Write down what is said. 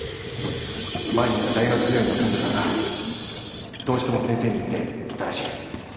前にいた大学病院の患者さんがどうしても先生にって言ったらしい。